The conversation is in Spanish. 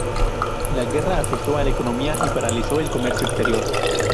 La guerra afectó a la economía y paralizó el comercio exterior.